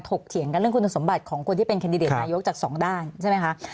เถียงกันเรื่องคุณสมบัติของคนที่เป็นแคนดิเดตนายกจากสองด้านใช่ไหมคะ